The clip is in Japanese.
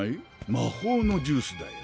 魔法のジュースだよ。